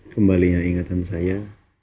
kembalinya ingatan saya